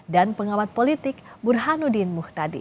dan pengawat politik burhanuddin muhtadi